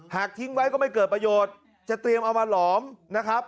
ทิ้งไว้ก็ไม่เกิดประโยชน์จะเตรียมเอามาหลอมนะครับ